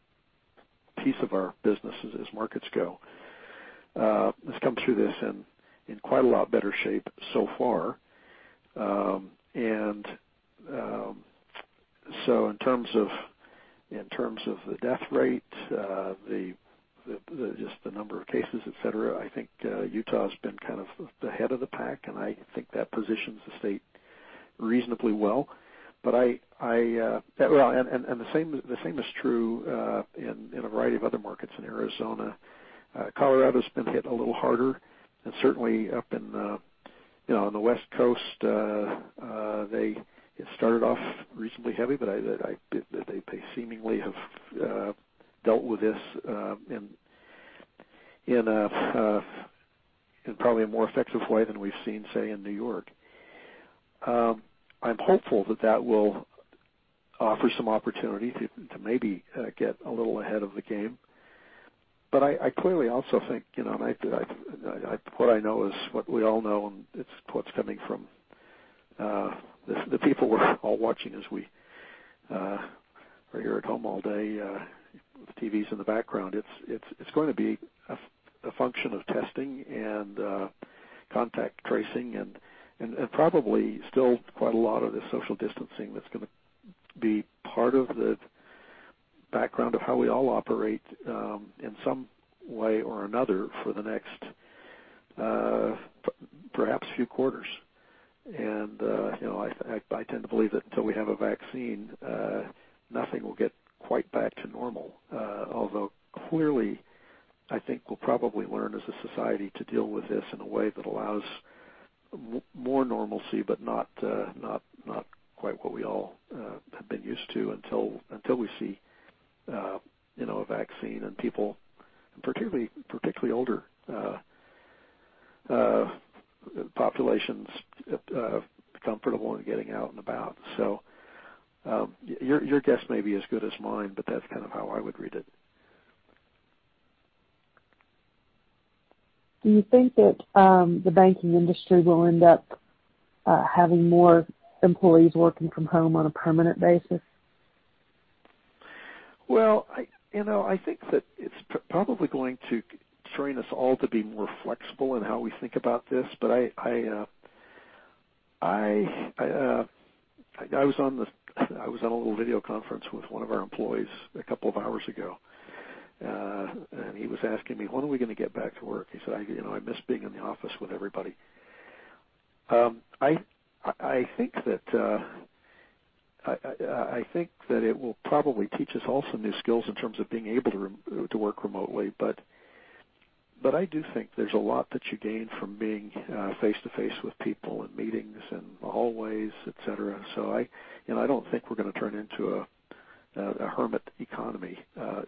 S3: piece of our business as markets go, has come through this in quite a lot better shape so far. In terms of the death rate, just the number of cases, et cetera, I think Utah's been kind of the head of the pack, and I think that positions the state reasonably well. The same is true in a variety of other markets in Arizona. Colorado's been hit a little harder and certainly up in the West Coast, it started off reasonably heavy, but they seemingly have dealt with this in probably a more effective way than we've seen, say, in New York. I'm hopeful that that will offer some opportunity to maybe get a little ahead of the game. I clearly also think, what I know is what we all know, and it's what's coming from the people we're all watching as we are here at home all day with TVs in the background. It's going to be a function of testing and contact tracing and probably still quite a lot of the social distancing that's going to be part of the background of how we all operate, in some way or another for the next, perhaps few quarters. I tend to believe that until we have a vaccine, nothing will get quite back to normal. Clearly, I think we'll probably learn as a society to deal with this in a way that allows more normalcy, but not quite what we all have been used to until we see a vaccine and people, particularly older populations, comfortable in getting out and about. Your guess may be as good as mine, but that's kind of how I would read it.
S12: Do you think that the banking industry will end up having more employees working from home on a permanent basis?
S3: Well, I think that it's probably going to train us all to be more flexible in how we think about this. I was on a little video conference with one of our employees a couple of hours ago, and he was asking me, "When are we going to get back to work?" He said, "I miss being in the office with everybody." I think that it will probably teach us all some new skills in terms of being able to work remotely. I do think there's a lot that you gain from being face-to-face with people in meetings and the hallways, et cetera. I don't think we're going to turn into a hermit economy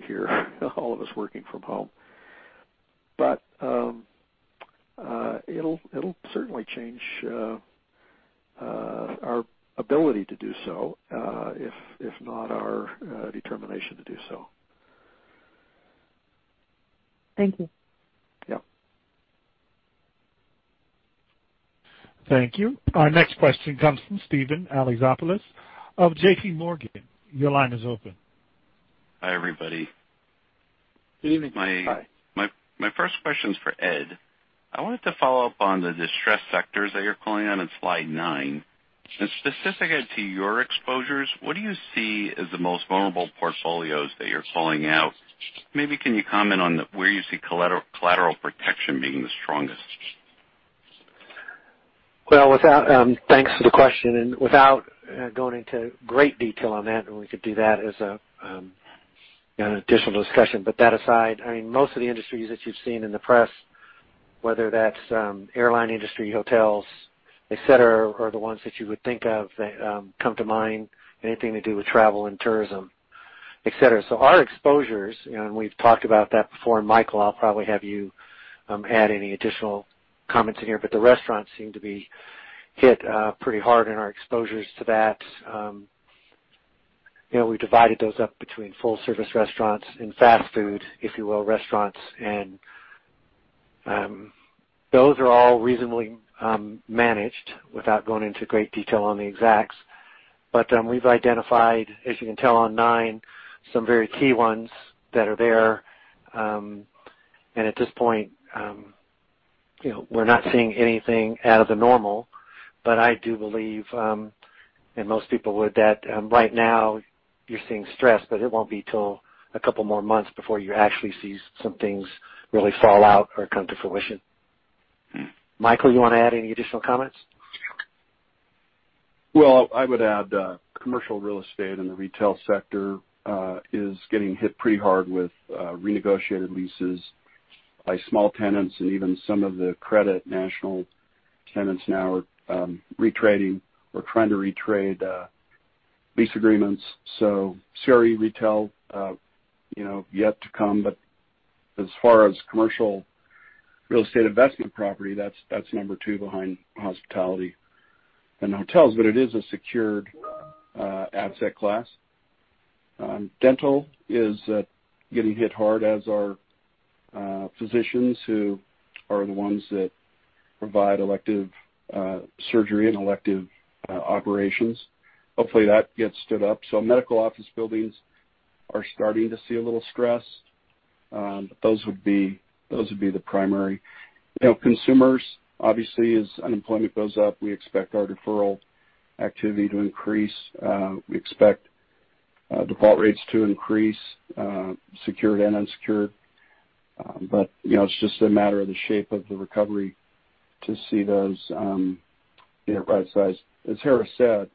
S3: here, all of us working from home. It'll certainly change our ability to do so, if not our determination to do so.
S12: Thank you.
S3: Yep.
S1: Thank you. Our next question comes from Steven Alexopoulos of JPMorgan. Your line is open.
S13: Hi, everybody.
S3: Good evening.
S13: My-
S3: Hi.
S13: My first question is for Ed. I wanted to follow up on the distressed sectors that you're calling on in slide nine, and specific to your exposures, what do you see as the most vulnerable portfolios that you're calling out? Maybe can you comment on where you see collateral protection being the strongest?
S4: Well, thanks for the question, and without going into great detail on that, and we could do that as an additional discussion. That aside, most of the industries that you've seen in the press, whether that's airline industry, hotels, et cetera, are the ones that you would think of that come to mind. Anything to do with travel and tourism, et cetera. Our exposures, and we've talked about that before, and Michael, I'll probably have you add any additional comments in here, but the restaurants seem to be hit pretty hard and our exposures to that. We divided those up between full-service restaurants and fast food, if you will, restaurants. Those are all reasonably managed without going into great detail on the exacts. We've identified, as you can tell on nine, some very key ones that are there. At this point, we're not seeing anything out of the normal. I do believe, and most people would, that right now you're seeing stress, but it won't be till a couple more months before you actually see some things really fall out or come to fruition. Michael, you want to add any additional comments?
S9: Well, I would add commercial real estate and the retail sector is getting hit pretty hard with renegotiated leases by small tenants, and even some of the credit national tenants now are retrading or trying to retrade lease agreements. CRE retail yet to come, but as far as commercial real estate investment property, that's number two behind hospitality and hotels. It is a secured asset class. Dental is getting hit hard, as are physicians who are the ones that provide elective surgery and elective operations. Hopefully, that gets stood up. Medical office buildings are starting to see a little stress. Those would be the primary. Consumers, obviously, as unemployment goes up, we expect our deferral activity to increase. We expect default rates to increase, secured and unsecured. It's just a matter of the shape of the recovery to see those right-sized. As Harris said,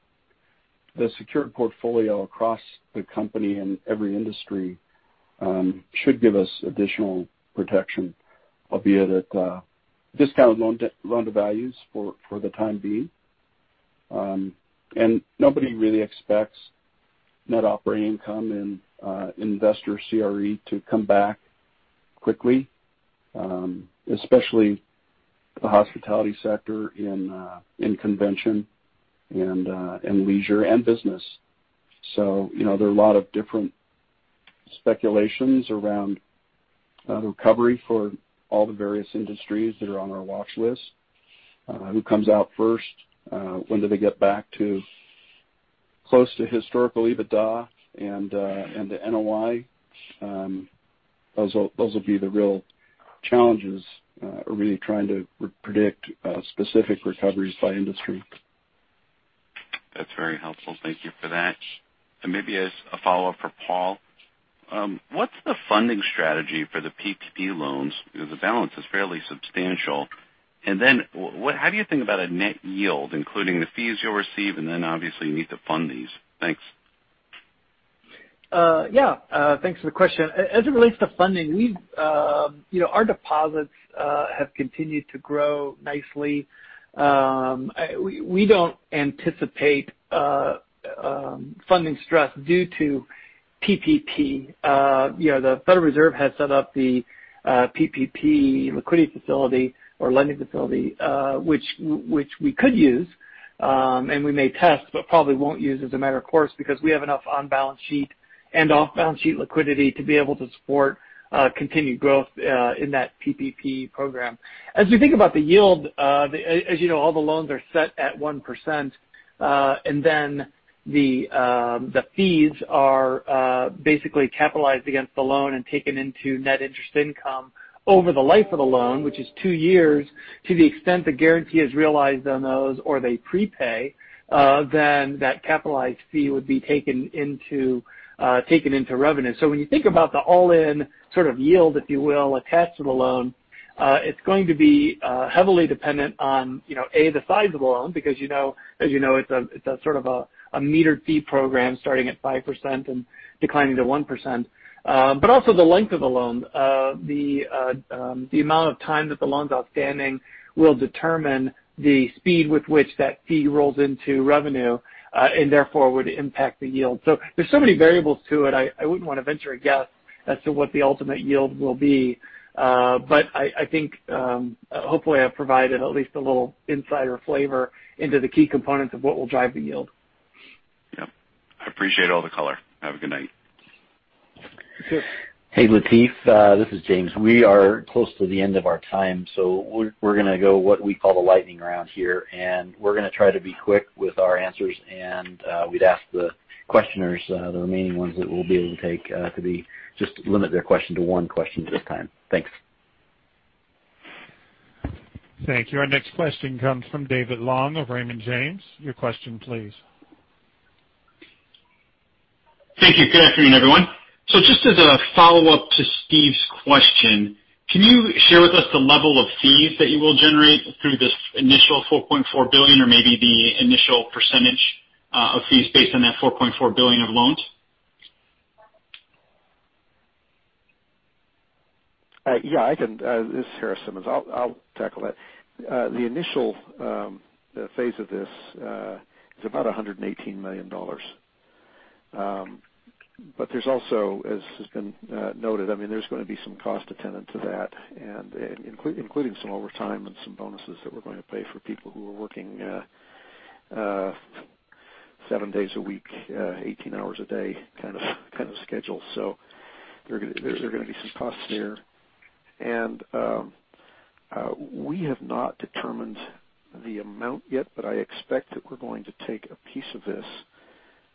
S9: the secured portfolio across the company and every industry should give us additional protection, albeit at discounted loan to values for the time being. Nobody really expects net operating income and investor CRE to come back quickly, especially the hospitality sector in convention and leisure and business. There are a lot of different speculations around the recovery for all the various industries that are on our watch list. Who comes out first? When do they get back to close to historical EBITDA and the NOI? Those will be the real challenges, really trying to predict specific recoveries by industry.
S13: That's very helpful. Thank you for that. Maybe as a follow-up for Paul, what's the funding strategy for the PPP loans? Because the balance is fairly substantial. How do you think about a net yield, including the fees you'll receive? Obviously, you need to fund these. Thanks.
S5: Yeah. Thanks for the question. As it relates to funding, our deposits have continued to grow nicely. We don't anticipate funding stress due to PPP. The Federal Reserve has set up the PPP Liquidity Facility or Lending Facility, which we could use, and we may test, but probably won't use as a matter of course, because we have enough on-balance sheet and off-balance sheet liquidity to be able to support continued growth in that PPP program. As we think about the yield, as you know, all the loans are set at 1%, and then the fees are basically capitalized against the loan and taken into net interest income over the life of the loan, which is two years. To the extent the guarantee is realized on those or they prepay, then that capitalized fee would be taken into revenue. When you think about the all-in sort of yield, if you will, attached to the loan, it's going to be heavily dependent on, A, the size of the loan, because as you know, it's a sort of a metered fee program starting at 5% and declining to 1%. Also the length of the loan. The amount of time that the loan's outstanding will determine the speed with which that fee rolls into revenue. Therefore, would impact the yield. There's so many variables to it. I wouldn't want to venture a guess as to what the ultimate yield will be. I think, hopefully, I've provided at least a little insight or flavor into the key components of what will drive the yield.
S13: Yep. I appreciate all the color. Have a good night.
S5: Sure.
S2: Hey, Lateef. This is James. We are close to the end of our time. We're going to go what we call the lightning round here. We're going to try to be quick with our answers. We'd ask the questioners, the remaining ones that we'll be able to take, to just limit their question to one question this time. Thanks.
S1: Thank you. Our next question comes from David Long of Raymond James. Your question please.
S14: Thank you. Good afternoon, everyone. Just as a follow-up to Steve's question, can you share with us the level of fees that you will generate through this initial $4.4 billion or maybe the initial percentage of fees based on that $4.4 billion of loans?
S3: Yeah, I can. This is Harris Simmons. I'll tackle that. The initial phase of this is about $118 million. There's also, as has been noted, there's going to be some cost attendant to that, including some overtime and some bonuses that we're going to pay for people who are working seven days a week, 18 hours a day kind of schedule. There are going to be some costs there. We have not determined the amount yet, but I expect that we're going to take a piece of this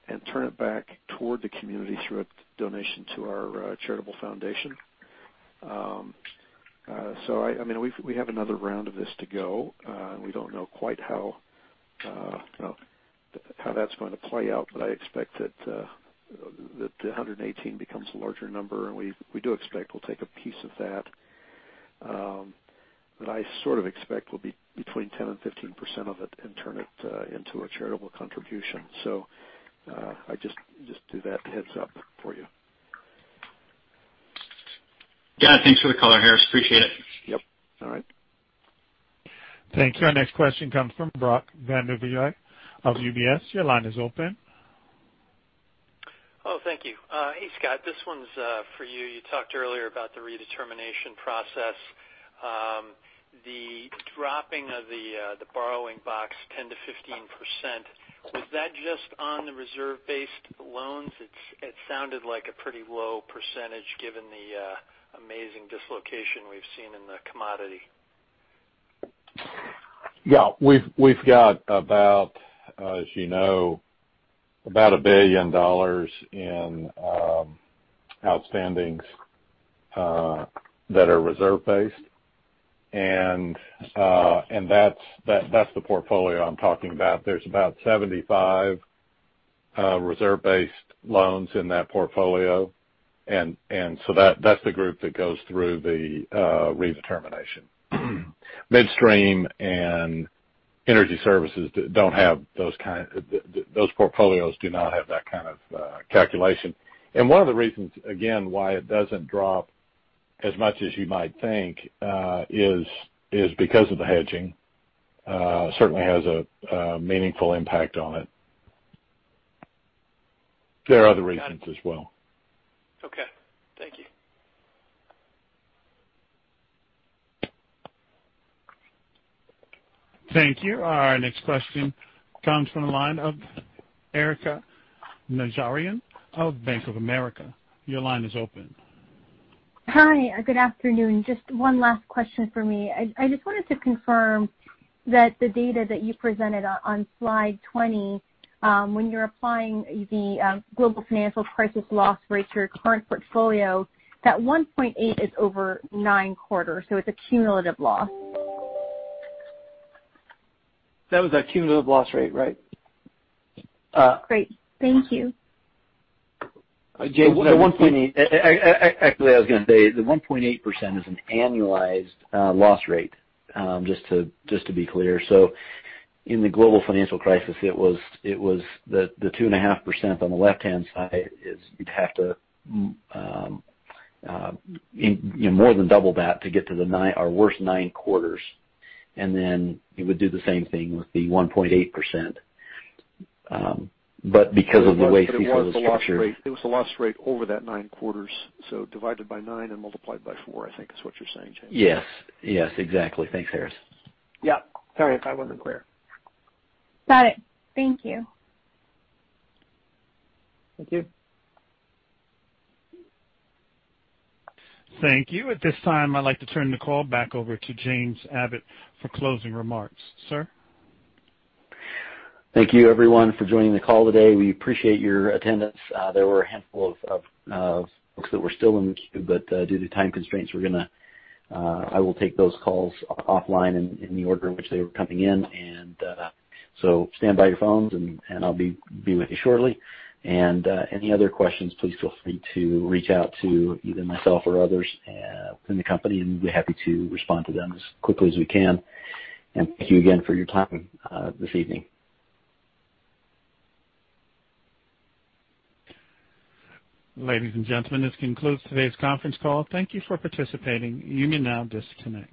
S3: and turn it back toward the community through a donation to our charitable foundation. We have another round of this to go. We don't know quite how that's going to play out. I expect that the 118 becomes a larger number, and we do expect we'll take a piece of that. I sort of expect we'll be between 10% and 15% of it and turn it into a charitable contribution. I just do that heads up for you.
S14: Yeah. Thanks for the color, Harris. Appreciate it.
S3: Yep. All right.
S1: Thank you. Our next question comes from Brock Vandervliet of UBS. Your line is open.
S15: Oh, thank you. Hey, Scott. This one's for you. You talked earlier about the redetermination process. The dropping of the borrowing base 10%-15%, was that just on the reserve-based loans? It sounded like a pretty low percentage given the amazing dislocation we've seen in the commodity.
S6: Yeah. We've got, as you know, about $1 billion in outstandings that are reserve based. That's the portfolio I'm talking about. There's about 75 reserve based loans in that portfolio. That's the group that goes through the redetermination. Midstream and energy services don't have those portfolios do not have that kind of calculation. One of the reasons, again, why it doesn't drop as much as you might think is because of the hedging. Certainly has a meaningful impact on it. There are other reasons as well.
S15: Got it. Okay. Thank you.
S1: Thank you. Our next question comes from the line of Erika Najarian of Bank of America. Your line is open.
S16: Hi. Good afternoon. Just one last question for me. I just wanted to confirm that the data that you presented on slide 20, when you're applying the global financial crisis loss rate to your current portfolio, that 1.8 is over nine quarters, so it's a cumulative loss.
S5: That was a cumulative loss rate, right?
S16: Great. Thank you.
S2: James- The 1.8-- Actually, I was going to say, the 1.8% is an annualized loss rate. Just to be clear. In the global financial crisis, it was the 2.5% on the left-hand side is you'd have to more than double that to get to our worst nine quarters, and then you would do the same thing with the 1.8%. Because of the way fee was captured.
S3: It was the loss rate over that nine quarters. Divided by nine and multiplied by four, I think is what you're saying, James.
S2: Yes, exactly. Thanks, Harris.
S5: Yeah. Sorry if I wasn't clear.
S16: Got it. Thank you.
S5: Thank you.
S1: Thank you. At this time, I'd like to turn the call back over to James Abbott for closing remarks. Sir?
S2: Thank you everyone for joining the call today. We appreciate your attendance. There were a handful of folks that were still in the queue, but due to time constraints, I will take those calls offline in the order in which they were coming in. Stand by your phones, and I'll be with you shortly. Any other questions, please feel free to reach out to either myself or others within the company, and we'd be happy to respond to them as quickly as we can. Thank you again for your time this evening.
S1: Ladies and gentlemen, this concludes today's conference call. Thank you for participating. You may now disconnect.